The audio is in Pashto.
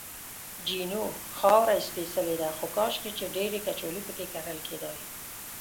جینو: خاوره یې سپېڅلې ده، خو کاشکې چې ډېرې کچالو پکې کرل کېدای.